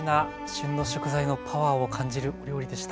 旬の食材のパワーを感じるお料理でした。